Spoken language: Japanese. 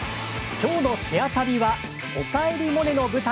きょうの「シェア旅」は「おかえりモネ」の舞台